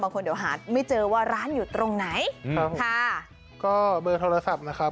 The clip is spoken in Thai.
บางคนเดี๋ยวไม่เจอว่าร้านอยู่ตรงไหนอะไรนะคะ